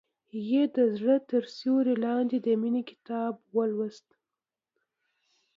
هغې د زړه تر سیوري لاندې د مینې کتاب ولوست.